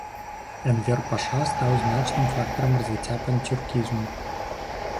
Энвер-паша стаў значным фактарам развіцця панцюркізму.